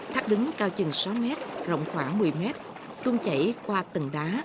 thác đứng cao chừng sáu mét rộng khoảng một mươi mét tung chảy qua tầng đá